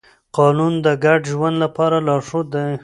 قانون د ګډ ژوند لپاره لارښود دی.